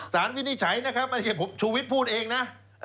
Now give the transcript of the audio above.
สารวินิจฉัยนะครับชูวิตพูดเองนะ